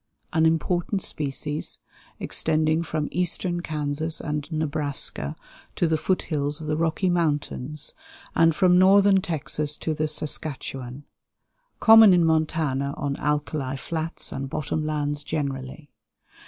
An important species, extending from eastern Kansas and Nebraska to the foot hills of the Rocky Mountains, and from Northern Texas to the Saskatchewan; common in Montana on alkali flats and bottom lands generally.